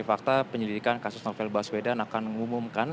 fakta penyelidikan kasus novel baswedan akan mengumumkan